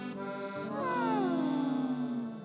うん。